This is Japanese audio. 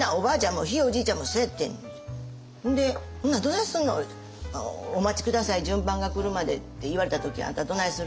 ほんで「ほんならどないすんの？」言うたら「お待ち下さい順番が来るまでって言われた時あんたどないする？」